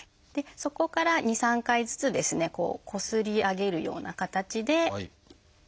そこから２３回ずつですねこすり上げるような形でこすっていきます。